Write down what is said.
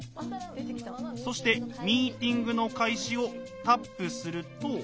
そして「ミーティングの開始」をタップすると。